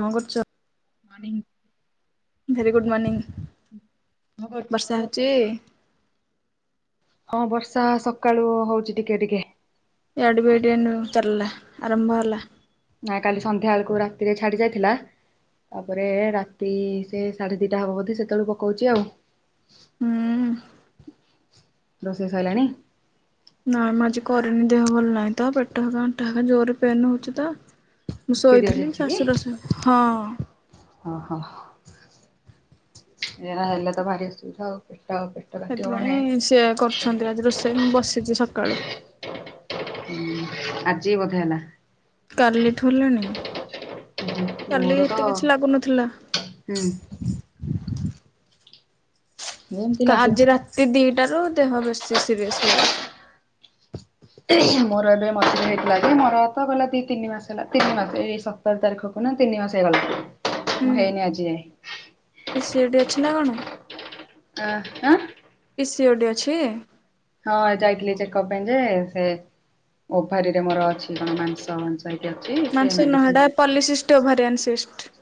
କଣ କରୁଛ? Morning. Very good morning. ବର୍ଷା ହଉଛି? ହଁ ବର୍ଷା ସକାଳୁ ହଉଛି ଟିକେ ଟିକେ। ଏ ଆଡ଼େ ବି ଏଇଠି ଏଇନେ ଚାଲିଲା ଆରମ୍ଭ ହେଲା। ନା କାଲି ସନ୍ଧ୍ୟା ବେଳକୁ ରାତିରେ ଛାଡ଼ି ଯାଇଥିଲା ତାପରେ ରାତି ସେ ସାଢ଼େ ଦିଟା ହବ ବୋଧେ ସେତେବେଳୁ ପକଉଛି ଆଉ। ହୁଁ। ରୋଷେଇ ସଇଲାଣି? ନାଇଁ ମୁଁ ଆଜି କରିନି। ଦେହ ଭଲ ନାହିଁ ତ ପେଟ ସେକା ଅଣ୍ଟା ହେକା ଜୋରରେ ପେନ୍ ହଉଛି ତ ମୁଁ ପିରିୟଡ଼ ଶୋଇଥିଲି ଶାଶୁ ରୋଷେଇ ହଁ। ଓହୋଃ। ଏରା ହେଲେ ତ ଭାରି ଅସୁବିଧା ପେଟ, ପ ସେଥିପାଇଁ ସିଏ କରୁଛନ୍ତି ଆଜି ରୋଷେଇ ମୁଁ ବସିଛି ସକାଳୁ। ହୁଁ। ଆଜି ବୋଧେ ହେଲା? କାଲି ଠୁ ହେଲାଣି। କାଲି ମୋର ତ ହେତେ କିଛି ଲାଗୁନଥିଲା। ହୁଁ। ଏମିତି ଲାଗିବ ଆଜି ରାତି ଦିଟା ରୁ ଦେହ ବେଶୀ ସିରିଅସ ଲାଗୁଛି। ମୋର ଏବେ ମଝିରେ ହେଇଥିଲା କି ମୋର ତ ଗଲା ଦି ତିନି ମାସ ହେଲା ତିନି ମାସ ଏ ସତର ତାରିଖକୁ ନା ତିନି ମାସ ହେଇଗଲା ମୁଁ ହେଇନି ଆଜି ଯାଏ। ପି ସି ଓ ଡି ଅଛି ନା କଣ। ଆ ଆଁ। ପି ସିଓଡି ଅଛି। ହଁ ଯାଇଥିଲି ଚେକଅପ ପାଇଁ ଯେ ସେ ଓଭାରିରେ ମୋର ଅଛି କଣ ମାଂସ ମା ସେଇଠି ଅଛି। ସେ ମାଂସ ନୁହେଁ ମେଡିସିନ ଏଟା ପଲିସିଷ୍ଟ ଓଭାରିଆନ୍ସିଷ୍ଟ।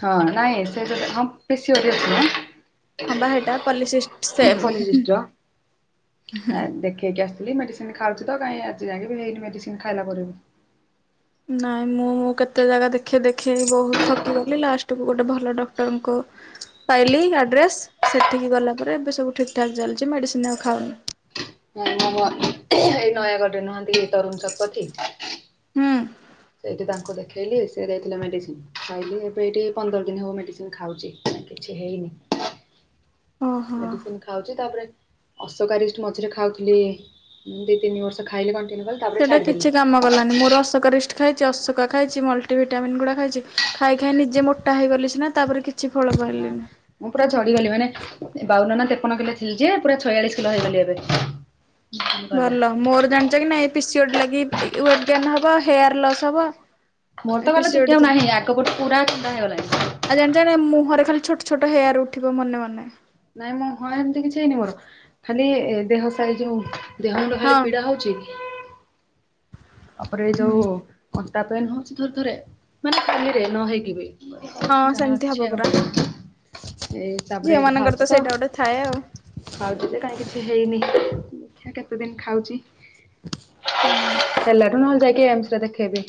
ହଁ ନାଇଁ ସେ ଥମ ପେଶିଓଡ଼ି ଅଛି ନା। ହଁ ବା ହେଇଟା ପଲିସିଷ୍ଟ ସେମ୍। ପଲିଶିଷ୍ଟ ଦେଖେଇକି ଆସଥିଲି ମେ ମୁଁ ଖାଉଛି ତ କାଇଁ ଆଜି ଯାଙ୍କେ ବି ହେଇନି ମେଡିସିନ ଖାଇଲା ପରେ ବି। ନାଇଁ ମୁଁଁ କେତେ ଜାଗା ଦେଖେଇ ଦେଖେଇ ବହୁତ ଥକିଗଲି ଲାଷ୍ଟକୁୁ ଗୋଟେ ଭଲ ଡକ୍ଟରଙ୍କୁ ପାଇଲି ଆଡ୍ରେସ, ସେଠିକି ଗଲା ପରେରେ ଏବେ ସବୁ ଠିକ୍ ଠାକ୍ ଚାଲିଛି ମେଡିସିନ ଆଉ ଖାଉନି। ମୁଁ ମୁଁ ଏଇ ନୟାଗଡ ରେ ନୁହନ୍ତି କି ତରୁଣ ଶତପଥୀ। ହୁଁ। ସେଇଠି ତାଙ୍କୁ ଦେଖେଇଲି, ସେ ଦେଇଥିଲେ ମେଡିସିନ ଖାଇଲି, ଏବେ ଏଇଠି ପନ୍ଦର ଦିନ ହଉ ମେଡିସିନ ଖାଉଛି। କିଛି ହେଇନି ଓହୋ। ମେଡିସିନ ଖ ଖାଉଛି, ତାପରେ ଅସକାରିଷ୍ଟ ମଝିରେ ଖାଉଥିଲି ଦି ତିନି ବର୍ଷ ଖାଇଲି କଣ୍ଟିନ୍ୟୁ କଲି। ତାପରେ ସେଇଟା ଛାଡ଼ିଦେଲି କିଛି କାମ କଲାନି ମୋର ଅସକରିଷ୍ଟ ଖାଇଛି, ଅସୁକା ଖାଇଛି, ମଲ୍ଟିଭିିଟାମିନ୍ ଗୁଡା ଖାଇଛି, ଖାଇ ଖାଇ ନିଜେ ମୋଟା ହେଇଗଲି ସିନା ତାପରେ କି ନା। ମୁଁ ପୁରା ଝଡିଗଲି, ମାନେ ବାଉନ ନା ତେପନ କିଲୋ ଥିଲି ଯେ ପୁରା ଛୟାଳିଶ କିଲୋ ହେଇଗଲି ଏବେ। ଗଲା ଭଲ, ମୋର ଜାଣିଛ କି ନାଇ ପିସିଓଡି ଲାଗି ୱେଟ୍ ଗେନ୍ ହବ, ହେୟାର ଲସ୍ ହବ। ମୋର ଏ ତ କାଲେ ପିସିଓଡି ଚୁଟି ଆଉ ଥିଲା ନାହିଁ, ଆଗ ପଟୁ ପୁରା ଚନ୍ଦା ହେଇଗଲାଣି। ଆଉ ଜାଣିଚକି ନାଇଁ ମୁହଁରେ ଖାଲି ଛୋଟ ଛୋଟ ହେୟାର ଉଠିବ ମନେ ମନେ। ନାଇଁ ମୁଁ ହଁ ଏମତି କିଛି ହେଇନି ମୋର, ଖାଲି ଦେହସାଇ ଯୋଉ ଦେହ ମୁଣ୍ଡ ହଁ। ଖାଲି ପୀଡ଼ା ହୋଉଛି। ତାପରେ ଏ ଯୋଉ ହୁଁ। ଆଣ୍ଟା ପେନ୍ ହଉଛି ଥରେ ଥରେ ମାନେ ଖାଲିରେ ନ ହେଇକି ବି। ହଁ ଯାହା ସେମିତି ହବ ଅଛି ପରା ଆଉ। ଏଇ ତାପରେ ଝିଅ ଏଇଟି ମାନଙ୍କର ଖାଉଛି ତ। ସେଇଟା ଗୋଟେ ଥାଏ ଆଉ। ଖାଉଛି ତ କାଇ କିଛି ହେଇନି, ଦେଖିଆ କେତେ ଦିନ ଖାଉଛି। ହୁଁ। ହେଲାଠୁ ନହେଲେ ଯାଇକି ଏମସ ରେ ଦେଖେଇବେ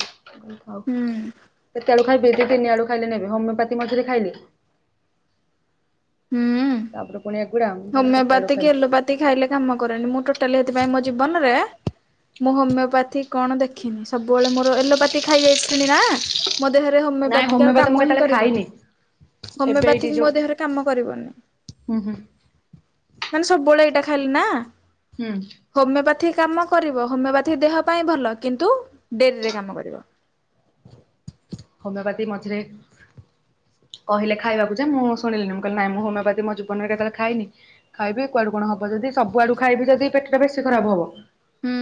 ହୁଁ ସେତବେଳକୁ ଖାଇବେ ଦି ତିନି ଆଡୁ ଖାଇଲିଣୀ ଏବେ ହୋମିପାଥି ମଝିରେ ଖାଇଲି। ହୁଁ। ତାପରେ ପୁଣି ଏଗୁଡ଼ା, ମୁଁ କହିଲି କେତେଆଡୁ ହୋମିଓପାଥି କି ଖାଇବୁ। ଏଲୋପାଥି ଖାଇଲେ କାମ କରେନି, ମୁଁ ଟୋଟାଲି ସେଥିପାଇଁ ମୋ ଜୀବନରେ ମୁଁ ହୋମିଓପାଥି କଣ ଦେଖିନି, ସବୁବେଳେ ମୋର ଏଲୋପାଥି ଖାଇଯାଇଆସିଲିଣି ନା। ମୋ ଦେହରେ ନାଇଁ ହୋମିଓପାଥିକ ଆଉ ହୋମିଓପାଥି ମୁଁ କାମ ହିଁ କେତେବେଳେ କରିବନି, ଖାଇନି ହୋମିଓପାଥିକ ମୋ ଦେହରେ କାମ କରିବନି। ଉଁ ହୁଁ। ମାନେ ସବୁବେଳେ ଏଇଟା ଖାଇଲେ ନା ହୁଁ। ହୋମିଓପାଥି କାମ କରିବ, ହୋମିଓପାଥି ଦେହ ପାଇଁ ଭଲ କିନ୍ତୁ ଡେରିରେ କାମ କରିବ। ହୋମିଓପାଥି ମଝିରେ କହିଲେ ଖାଇବାକୁ ଯେ ମୁଁ ଶୁଣିଲିନି ମୁଁ କହିଲି ନାଇ ମୁଁ ହୋମିଓପାଥି ମୋ ଜିବନରେ କେତେବେଳେ ଖାଇନି। ଖାଇବି କୁଆଡୁ କଣ ହବ ଯଦି ସବୁଆଡୁ ଖାଇବି ଯଦି ପେଟ ଟା ବେଶୀ ଖରାପ ହବ। ହୁଁ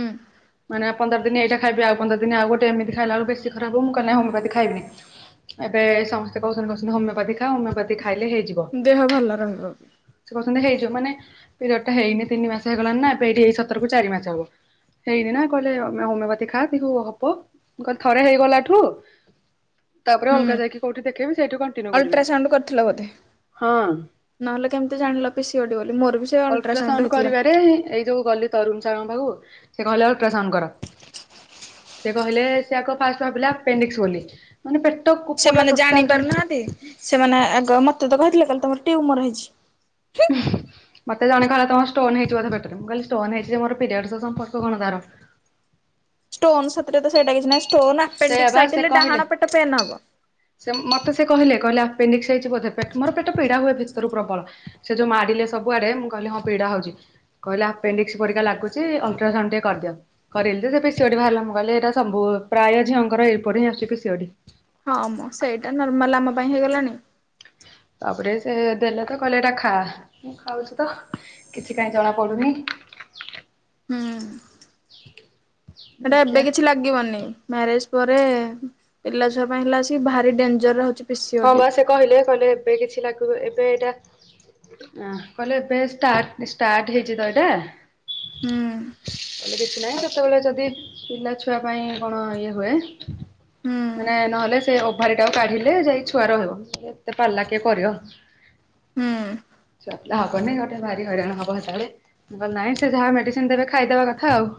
ମାନେ ପନ୍ଦର ଦିନ ଏଇଟା ଖାଇବି, ଆଉ ପନ୍ଦର ଦିନ ଆଉ ଗୋଟେ ଏମିତି ଖାଇଲା ବଳକୁ ବେଶୀ ଖରାପ ହବ ମୁଁ କହିଲି ନାଇ ହୋମି ଖାଇବିନି, ଏବେ ସମସ୍ତେ କହୁଛନ୍ତି କହୁଛନ୍ତି ହମିଓପାତି ଖା ହୋମିଓ ଖାଇଲେ ହେଇଯିବ। ଦେହ ଭଲ ରହିବ ସେ କହୁଛନ୍ତି ହେଇଯିବ ମାନେ ପିରିୟଡ ଟା ହେଇନି ତିନି ମାସ ହେଇଗଲାଣି ନା ଏଇଠି ଏଇ ସତରକୁ ଚାରି ମାସ ହବ। ହେଇନି ନା କହିଲେ ଆମେ ହୋମିଓପାଥି ଖାୁ ହବ କିଲ ଥରେ ହେଇଗଲାଠୁ ତାପରେ ଅଲଗା ହୁଁ। ଯାଇକ କୋଠି ଦେଖି ସେଠୁ କଂଟିନୁୱେ କରିବୁ। ଅଲଟ୍ରାସାଉଣ୍ଡ କରିଥିଲ ବୋଧେ? ହଁ ନହେଲେ କେମିତି ଜାଣିଲ ପିସିଓଡି ବୋଲି ମୋର ବି ସେ ଅଲଟ୍ରାସାଉଣ୍ଡ ହେଇଥିଲା। କରିବାରେ ଏଇ ଯ ଗଲି ତରୁଣ ସାରଙ୍କ ପାଖକୁ ସେ କହିଲେ ଅଲଟ୍ରାଶୋଉଣ୍ଡ କର। ସେ କହିଲେ ସେ ଆଗ ଫାଷ୍ଟ ଭାବିଲା ପେଣ୍ଡିକ୍ସ ବୋଲି। ମାନେ ପେଟକ ସେମାନେ ଜାଣି ପାରୁନାହାନ୍ତି ସେମାନେ ଆଗ ମତେ ତ କହିଥିଲେ କହ ତମର ଟ୍ୟୁମର ହେଇଛି। ହୁଁ ମତେ ଜଣେ କହିଲା ତମ ଷ୍ଟୋନ ହେଇଛି ବୋଧେ ପେଟରେ ମୁଁ କହିଲି ଷ୍ଟୋନ ହେଇଚି ମୋର ପିରିୟଡ ସମ୍ପର୍କ କନ ତାର। ଷ୍ଟୋନ ସେଥିରେ ସେଇଟା କିଛି ନାଁ ଷ୍ଟୋନ ସେଇଆ ବା ଆପେଣ୍ଡିକଇ ସେ ହେ କହିଲେ ଡାହାଣ ପେଟ ପେନ୍ ହବ। ସେ ମତେ ସେ କହିଲେ କହିଲେ ଆେଣ୍ଡିକ୍ସ ହେଇଛି ବୋଧେ ମୋର ପେଟ ପୀଡା ହୁଏ ଭିତରରୁ ପ୍ରବଳ। ସେ ଯୋଉ ମାଡିଲେ ସବୁଆଡେ ମୁଁ କହିଲି ହଁ ପୀଡା ହଉଛି। କହିଲା ଆପେଣ୍ଡିକ୍ସ ପରିକା ଲୁଛି ଅଲଟ୍ରାସାଉଣ୍ଡ ଟିକେ କରିଦିଅ। କରିଲି ଯେ ସେ ପି ସି ଓ ଡି ବାହାରିଲା। ମୂଁ କହିଲି ଏଟା ସବୁ ପ୍ରାୟ ଝିଅଙ୍କର ଏପରି ଆସୂଛି ପି ସି ଓ ଡି। ହଁ ମୁଁ ସେଇଟା ନର୍ମାଲ ଆମ ପାଇଁ ହେଇଗଲାଣି। ତାପରେ ସେ ଦେଲେ ତ କହିଲେ ଏଟା ଖା ମୁ ଖାଉଛି ତ। କିଛି କହିଁ ଜଣା ପଡୁନି। ହୁଁ ଆ ସେଟା ଏବେ କିଛି ଲାଗ ଲାଗିବନି ମ୍ୟାରେଜ ପରେ ପିଲା ଛୁଆ ପାଇଁ ହେଲା ଆ ଭାରି ଡେଂଜର ଅଛି। ହଁ ବା ସେ କହିଲେ କହିଲେ ଏବେ କିଛି ଲାଗିବ ଏବେ ଏଇଟା ଅ କହିଲେ ଏବେ ଷ୍ଟାର୍ଟ ହେଇଛି ତ ହୁଁ ଏଇଟା। କହଲେ କିଛି ନାହିଁ କେତେବେଳେ ଯଦି ପିଲା ଛୁଆ ପାଇଁ କଣ ଇଏ ହୁଏ ହୁଁ। ମାନେ ନହେଲେ ସେ ଓଭାରି ଟାକୁ କାଢିଲେ ଯାଇକୀ ଛୁଆ ରହିବ ଏତେ ପାଲା କିଏ କରୀବ। ହୁଁ ପିଲା ହବନି ଗୋଟେ ଭାରି ହଇରାଣ ହବ ସେତେବେଳେ। ନାଇଁ ସେ ଯାହା ମେଡିସିନ ଦେବେ ଖାଇଦବା କଥା ଆଉ।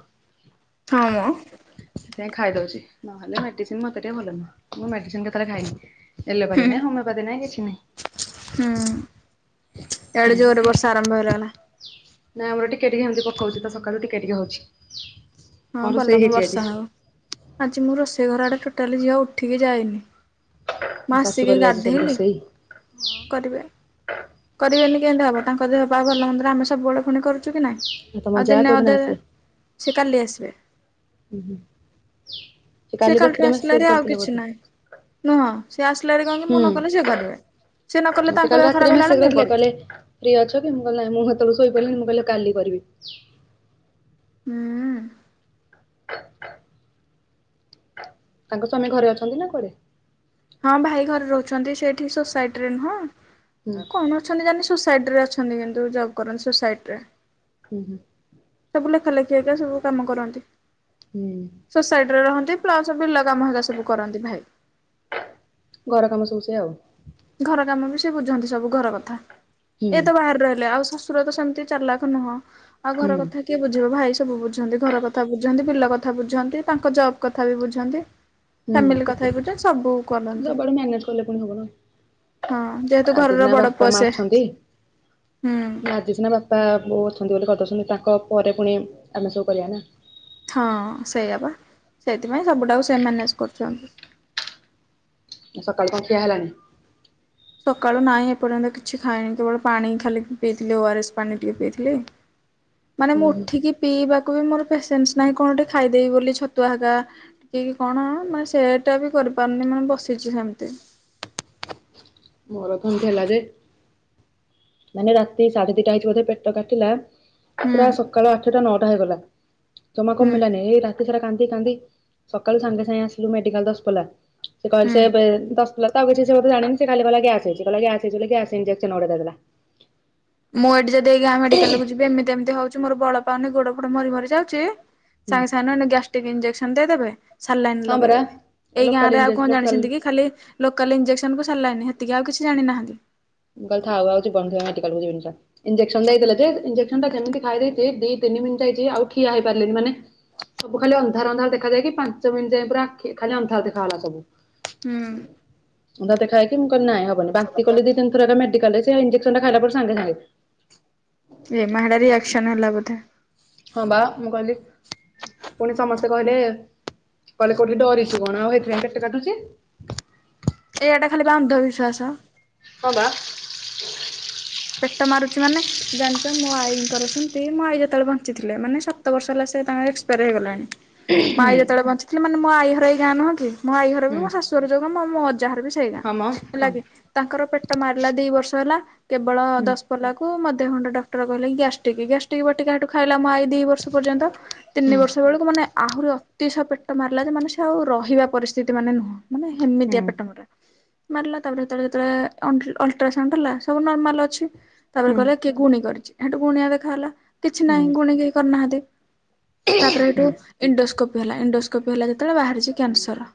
ହଁ ମ ସେଥିପାଇଁ ଖାଇଦଉଛି ନହେଲେ ମେଡିସିନ ମତେ ଟିକେ ଭଲ ନୁହଁ ମୁଁ ମେଡିସିନ କେତେବେଳେ ଖାଇନି। ଏଲେୋବାଦ ହୁଁ ନାଇଁ ହୋମବାଦ ନାଇଁ କିଛି ନାଇଁ। ଇଆଡ଼େ ଜୋରେ ବର୍ଷା ଆରମ୍ଭ ହେଇଗଲାଣି। ନାଇଁ ଆମର ଟିକେ ଟିକେ ହେମିତି ପକାଉଛି ତ ସକାଳୁ ଟିକେ ଟିକେ ହଉଛି। ହଁ କଣ ଭଲ ରୁଷେଇ ମ ହେଇଛି ବର୍ଷା ଆଜି? ହଉ ଆଜି ମୁଁ ରୋଷେଇ ଘର ଆଡ଼େ ଟୋଟାଲି ଝିଅ ଉଠିକି ଯାଏନି। ମୋ ଶାଶୁ ମାସିକି କରିବେ ଆଜି ସବୁ ଗାଧେଇଲୀ ରୋଷେଇ କରିବା କରିବେନି କେମିତି ହବ ତାଙ୍କ ଦେହ ପା ଭଲମନ୍ଦରେ ଆମେ ସବୁବେଳେ ପୁଣି କରୁଛୁ କି ନାଇଁ। ତମ ଆଉ ଯା ଦିନେ କୋଉଦିନ ଅଧେ! ଆସିବେ? ସେ କାଲି ଆସିବେ। [unintelligible] ସେ କାଲି କାଲିଠୁ ରାତିରେ ଆସିଲାରେ ମେସେଜ୍‌ ଆଉ କରିଥିଲା କିଛି ବୋଧେ? ନାହିଁ। ନୁହଁ ସେ ଆସିଲେରି କଣ କି ମୁଁ ନ ହୁଁ। କଲେ ସିଏ କରିବେ। ସେ ନ କଲେ [unintelligible] ସେ ତାଙ୍କ କାଲି ଦେହ ଖରାପ ରାତିରେ ହେଲା ବେଳେ ମେସେଜ୍‌ ମୁଁ କରିଥିଲେ କରୁଛି କହିଲେ ଫ୍ରି ଅଛ କି ମୁଁ କହିଲି ନାହିଁ, ମୁଁ ହେତେବେଳେକୁ ଶୋଇପଲିଣି ମୁଁ କହିଲି କାଲି କରିବି। ଉଂମ ତାଙ୍କ ସ୍ଵାମୀ ଘରେ ଅଛନ୍ତି ନା କୁଆଡେ? ହଁ ଭାଇ ଘରେ ରହୁଛନ୍ତି। ସେ ଏଠି ସୋସାଇଟି ରେ ହୁଁ ନୁହଁ କଣ ଅଛନ୍ତି ଜେନ୍‌ ସୋସାଇଟି ରେ ଅଛନ୍ତି କିନ୍ତୁ ଜବ୍ କରନ୍ତି ସୋସାଇଟି ରେ। ହୁଁ ହୁଁ ସବୁ ଲେଖା ଲେଖି କ ସବୁ କାମ କରନ୍ତି। ହୁଁ ସୋସାଇଟି ରେ ରହନ୍ତି ପ୍ଲସ ବିଲ କାମ ହରକା ସବୁ କରନ୍ତି ଭାଇ। ଘର କାମ ସବୁ ସେଆଉ। ଘର କାମ ବି ସେ ବୁଝନ୍ତି ସବୁ ଘର କଥା। ହୁଁ ଏ ତ ବାହାରେ ରହିଲେ ଆଉ ଶସ୍ ଶଶୁର ତ ସେମତି ଚାଲାଖ୍ ନୁହଁ ଆଉ ହୁଁ ଘର କଥା କିଏ ବୁଝିବ ଭାଇ ସବୁ ବୁଝନ୍ତି। ଘର କଥା ବୁଝନ୍ତି। ବିଲ କଥା ବୁଝନ୍ତି ତାଙ୍କ ଜବ୍ କଥା ବି ବୁଝନ୍ତି। [inaudible] ଫ୍ୟାମିଲି କଥା ବି ବୁଝନ୍ତି। ସବୁ କରନ୍ତି। ସବୁଆଡୁ ମ୍ୟାନେଜ କଲେ ପୁଣି ହବ ନା। ହଁ ଯେହେତୁ ଆଜି ଘରର ସିନା ବଡ ବାପା ପୁଅ ମା ସେ। ଅଛନ୍ତି। ହୁଁ ଆଜିି ସିନା ବାପା ବୋଉ ଅଛନ୍ତି ବୋଲି କରିଦେଉଛନ୍ତି। ତାଙ୍କ ପରେ ପୁଣି ଆମେ ସବୁ କରିବା ନା। ହଁ ସେଇଆପା ସେଇଥିପାଇଁ ସବୁଟାକୁ ସେ ମ୍ୟାନେଜ୍ କରୁଛନ୍ତି। ସକାଳୁ କଣ ଖିଆ ହେଲାଣି? ସକାଳୁ ନାହିଁ ଏପର୍ଯ୍ୟନ୍ତ କିଛି ଖାଇନି କେବଳ ପାଣି ଖାଲି ପିଇଥିଲି। ଓ ଆର ଏସ୍ ପାଣି ଟିକେ ପିଇଥିଲି। [inaudible] ମାନେ ମୁଁ ଉଠିକି ପିଇବାକୁ ବି ମୋର ପେସେନ୍ସ ନାହିଁ କଣଟେ ଖାଇଦେବି ବୋଲି ଛତ୍ ତୁହାଗା ଟିକିଏ କି କଣ ମାନେ ସେଇଟା ବି କରିପାରୁନି ମାନେ ବସିଛି ହେମନ୍ତି। ମୋର କେମିତି ହେଲା ରେ ମାନେ ରାତି ସାଢ଼େ ଦିଟା ହେଇଛି ବୋଧେ ପେଟ କାଟିଲା ହୁଁ ପୁରା ସକାଳ ଆଠଟା ନଅଟା ହେଇଗଲା ଜମା ହୁଁ କମିଲାନି ଏଇ ରାତ୍ ବିଚରା କାନ୍ଦି କାନ୍ଦି ସକାଳୁ ସାଙ୍ଗେ ସାଙ୍ଗେ ଆସିଲୁ ମେଡିକାଲ୍ ଦଶପଲା ସେ ହୁଁ। କହିଲେ ସେ ବେ ଦଶ୍ ଲତା କୁ କିଛି ସେ ମୋତେ ଜଣିନି ସେ ଖାଲି କହିଲା କି ଆସୁଛି କହିଲା ଯେ ଆସୁଛୁ ଲେଗି ଆସେ ଇଞଜେକ୍ସନ୍ ନଅଟା ଯାକ ଦେଲା। ମୁଁ ଏଠି ଯଦି ଆଜ୍ଞା ମେଡିକାଲ କୁ ଯିବି ଏମିତି ଏମିତି ହଉଛି ମୋ ବଳ ପାଉନି ଗୋଡ ଫୋଡ ମରି ମରି ଯାଉଛି ହୁଁ ସାଙ୍ଗେ ସାଙ୍ଗେ ନଉ ନଉ ଗ୍ୟାଷ୍ଟ୍ରିକ ଇଞ୍ଜେକ୍ସନ ଦେଇ ଦେବେ ସାଲାଇନ ହଁ ପରା ଲଗେଇଦେବେ ଏଇ ଗାଁ ଲୋକାଲ ରେ ଆଉ ଇଞ୍ଜେସ କଣ ଲୋକାଲ ଜାଣିଛନ୍ତି କି ଖାଲି ଲୋକାଲ ଇଞ୍ଜେକ୍ସନ୍‌ କୁ ସାଲାଇନ୍‌ ହେତିକି ଆଉ କିଛି ଜାଣିନାହାନ୍ତି। ମୁଁ କହିଲି ଥାଉ ଆଉ ଜୀବନ [unintelligible] କାଡିବାକୁ ଯିବିନି ଯା। ଇଞ୍ଜେକ୍ସନ୍‌ ଦେଇ ଦେଲେ ଯେ ଇଞ୍ଜେକ୍ [unintelligible] କେମିତି ଖାଇ ଦେଇଛି ଦି ତିିିନି ମିନିଟ୍ ଯାଇଛି। ଆଉ ଠିଆ ହେଇପାରିଲିନି। ମାନେ ସବୁ ଖାଲି ଅନ୍ଧାର ଅନ୍ଧାର ଦେଖାଯାଇକି ପାଞ୍ଚ ମିନିଟ୍ ଯାଏ ପୁରା ଆଖି ଖାଲି ଅନ୍ଧାର ଦେଖା ଗଲା ସବୁ। ହୁଁ। ମୁ ତା ଦେଖାହେଇକି ମୁଁ କହିଲି ନାଇ ହେବନି ବାନ୍ତି କଲି ଦି, ତିିନି ଥର ଏକା ମଡିକାଲରେ ସେ ଇଞ୍ଜେକ୍ସନ଼ ଟା ଖାଇଲା ପରେ ସାଙ୍ଗେ ସାଙ୍ଗେ। ଏ ମାହାଡାରି ଏକ୍ସନ ହେଲା ବୋଧେ। ହଁ ବା ମୁଁ କହିଲି ପୁଣି ସମସ୍ତେ କହିଲେ, କହିଲେ କୋଉଠି ଡରିଛୁ କଣ ଏଥି ପାଇଁ ପେଟ କାଟୁଛି। ଏଇଆଟା ଖାଲି ବାଣ୍ଡ ବିଶ୍ୱାସ। ହଁ ବା। ପେଟ ମାରୁଛି ମାନେ ଜାଣିଛ ମୋ ଆଈଙ୍କର ସେମିତି ମୋ ଆଈ ଯେତେବେଳେ ବଞ୍ଚିଥିଲେ ମାନେ ସାତ ବର୍ଷ ହେଲା ସେ ତାଙ୍କର ଏକ୍ସପାୟାର ହେଇଗଲାଣି। ମୋ ଆଇ ଯେତେବେଳେ ବଞ୍ଚିଥିଲେ ମାନେ ମୋ ଆଈ ଘର ଏଇ ଗାଁ ନୁହଁକି ମୋ ଆଈ ଘର ହୁଁ ବି ମୋ ଶାଶୁୁ ଘର ଯୋଉ ଙ୍ଗା ମୋ ମୋ ଅଜା ଘର ବି ସେଇ ସେଇ ଗାଁ ହଁ ମ ହେଲା ହୁଁ କି ତାଙ୍କର ପେଟ ମାରିଲା ଦି ବର୍ଷ ହେଲା କେବଳ ହୁଁ ଦସ୍ ଗଲାକୁ ମୋ ଦେହ ହଣ୍ଡ ମୋତେ ଡାକ୍ଟର କହିଲେ ଗ୍ୟାଷ୍ଟିକ୍ ଗ୍ୟାଷ୍ଟିକ ବଟିକା ହେଟୁ ଖାଇଲା ମୋ ଆଇ ଦି ବର୍ଷ ପର୍ଯ୍ୟନ୍ତ ହୁଁ ତିନି ବର୍ଷ ବେଳକୁ ମାନେ ଆହୁରି ଅତିଶ ପେଟ ମାରିଲା ଯେ ମାନେ ସେ ଆଉ ରହିବା ପରିସ୍ଥିତି ମାନେ ନୁହଁ। ମାନେ ହେମିତିଆ ହୁଁ ପେଟ ମରା ମାରିଲା ତାପରେ ତା ପରେ ଯେତବେଳେ ଅ- ଅଲଟ୍ରାସାଉଣ୍ଡ ଦେଲା ସବୁ ନର୍ମାଲ ଅଛି ତାପରେ କହିଲା ହୁଁ କିଏ ଗୁଣି କରିଛି ଏଠୁ ଗୁଣିଆ ଦେଖାହେଲା। କିଛି ନାହିଁ ଗୁଣୀ କେ କରିନାହାନ୍ତି ତାପରେ ହୁଁ ହେଠୁ ଇଣ୍ଡୋସ୍କୋପି ହେଲା ଇଣ୍ଡୋସ୍କୋପି ହେଲା ଯେତବେଳେ ବାହାରିଛି କ୍ୟାନସର।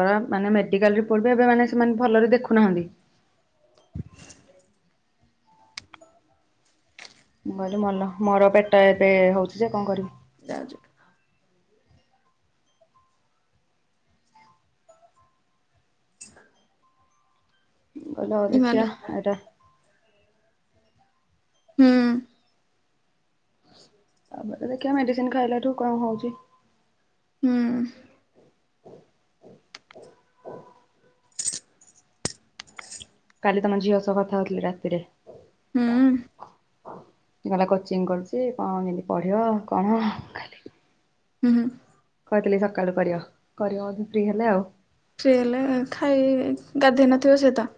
ବା ମାନେ ମେଡିକାଲ ରେ ପଡ଼ିବା ଏବେ ମାନେ ସେମାନେ ଭଲରେ ଦେଖୁନାହାନ୍ତି। ମୁଁ କହିଲି ମଲ ମୋର ପେଟ ଏବେ ହଉଛି ଯେ କଣ କରିବି? ଯାଉଛ। [inaudible] [unintelligible] ଇମାଲୋ ଦେଖିବା ଏଇଟା ହୁଁ। ଆଉ ପେଟରେ ଦେଖିଆ ମେଡିସିନ୍ ଖାଇଲାଠୁ କଣ ହଉଛି। ହୁଁ। କାଲି ତମ ଝିଅ ସହ କଥା ହଉଥିଲି ରାତିରେ। ହୁଁ। ଗଲା କୋଚିଂ କରୁଛି କଣ କେମିତି ପଢିବ କଣ ହୁଁ ହୁଁ। କହିଥିଲି ସକାଳୁ କରିବ କରିବ ମତେ ଫ୍ରି ହେଲେ ଆଉ। ପ୍ରି ହେଲେ ଖାଇବି ଗାଧେଇ ନଥିବ ସେ ତା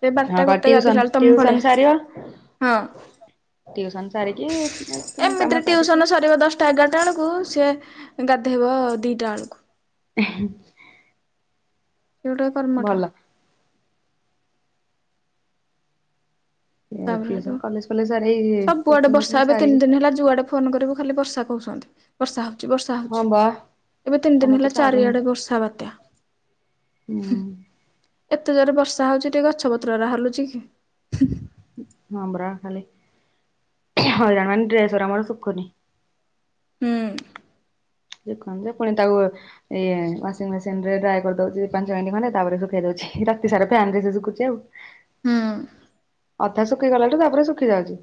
ସେ ହଁ ବାରଟା କ ଗୋଟେ ଟିଉସନ ଗାଧେଲା ବେଳକୁ ତମ ଟିଉସନ ସାରିବ ଭଳିଆ ହଁ। ଟିଉସନ ସାରିକି ପୁଣି ଏମିତିରେ କାମ ଟିଉସନ ସାରିକି। ସରିବ ଦଶଟା ଏଗାରଟା ବେଳକୁ ସିଏ ଗାଧୋଇବ ଦିଟା ବେଳକୁ। ହେଁ। ସେଉଟା କର୍ମଠା। ଭଲ ତାପରେ ହେଠୁ ଟିଉସନ କଲେଜ ଫଲେଜ ସାରି ସବୁଆଡେ କୋଚିଂ ବର୍ଷା ଫୋଚିଂ ଏବେ ତିନି ସାରିକି ଦିନ ହେଲା ଯୁଆଡେ ଫୋନ କରିବୁ ଖାଲି ବର୍ଷା କହୁଛନ୍ତି। ବର୍ଷା ହଉଛି ବର୍ଷା ହଁ ହଉଛି ବା ଏବେ ତିନି ଦିନ ଆମର ତ ହେଲା ଛାଡୁନି ଚାରିଆଡେ ବର୍ଷା ବାତ୍ୟା। ହୁଁ ସେ [inaudible] ଏତେ ଜୋରେ ବର୍ଷା ହଉଚି ଟିକେ ଗଛ ପତ୍ର ବା ହଲୁଚି କି? ହଁପରା ଖାଲି ହଇରାଣମାନ ଡେସ୍ ଗୁରା ଆମର ଶୁଖୁନି? ହୁଁ। ସେ କୁହନ୍ତି ପୁଣି ତାକୁ ଏ ୱସିଙ୍ଗ ମେସିନି ରେ ଡ୍ରା କରିଦଉଚି ପାଞ୍ଚ ମିନିଟ ଖଣ୍ଡେ ତାପରେ ଶୁଖେଇ ଦଉଚି ରାତି ସାରା ଫାନ୍ ରେ ସେ ଶୁଖୁଚି ଆଉ। ହୁଁ। ଅଧା ଶୁଖିଗଲାଠୁ ତାପରେ ଶୁଖି ଯାଉଛି।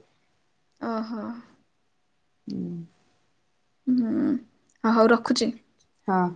ଓହୋ। ହୁଁ ହଉ ରଖୁଛି। ହଁ।